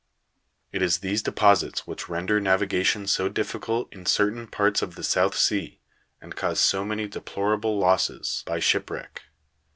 It is these deposits which render navigation so difficult in certain parts of the South Sea, and cause so many deplorable losses by shipwreck.